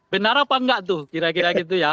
benar apa enggak tuh kira kira gitu ya